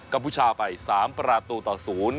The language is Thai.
กับพูชาไป๓ประตูต่อสูง